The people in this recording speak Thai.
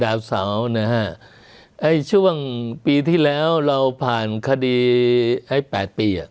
ดาวเสาร์นะฮะช่วงปีที่แล้วเราผ่านคดี๘ปี